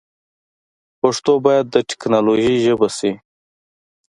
پښتو باید د ټیکنالوجۍ ژبه شي.